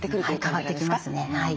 変わってきますね。